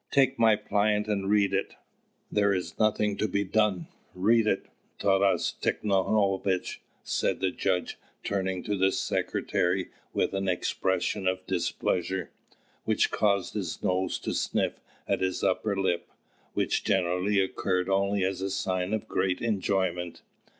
"Take my plaint, and read it." "There is nothing to be done. Read it, Taras Tikhonovitch," said the judge, turning to the secretary with an expression of displeasure, which caused his nose to sniff at his upper lip, which generally occurred only as a sign of great enjoyment.